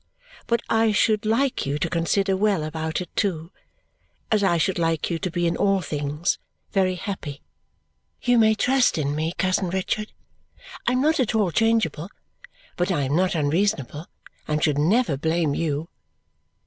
But I should like you to consider well about it too, as I should like you to be in all things very happy. You may trust in me, cousin Richard. I am not at all changeable; but I am not unreasonable, and should never blame you.